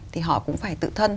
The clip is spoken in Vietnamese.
thì họ cũng phải tự thân